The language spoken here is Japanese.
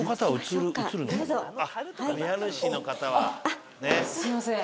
あっすいません。